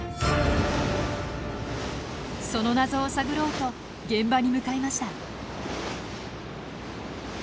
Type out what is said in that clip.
その謎を探ろうと現場に向かいました。